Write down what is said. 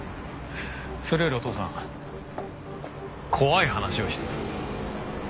それよりお父さん怖い話を一つ。